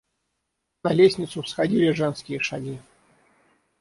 На лестницу всходили женские шаги.